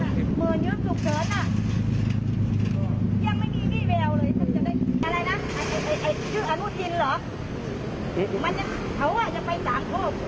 และเป็นภาพสายหนีแต่กรรมแต่ขาความสุข